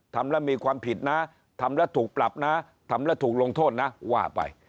ทำแล้วมีความผิดนะทำแล้วถูกปรับนะทำแล้วถูกลงโทษนะว่าไป